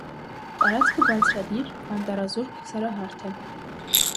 Տարածքը բարձրադիր, անտառազուրկ սարահարթ է։